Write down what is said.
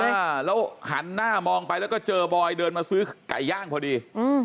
บอยแบบเขาอยู่หน้ามงห์แล้วก็หันหน้ามองไปก็ก็จอบอยว่าเดินมาซื้อไก่หย่างพอดี